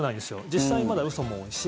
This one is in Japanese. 実際、まだ嘘も多いし。